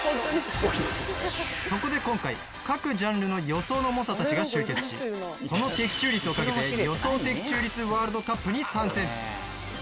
そこで今回、各ジャンルの予想の猛者たちが集結しその的中率をかけて予想的中率ワールドカップに参戦。